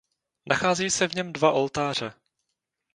Nacházejí se v něm dva oltáře.